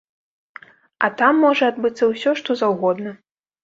А там можа адбыцца ўсё, што заўгодна.